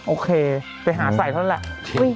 โอเคไปหาใส่เท่าไร